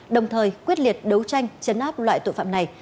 đồng thời quyết liệt đấu tranh chấn áp loại tội phạm này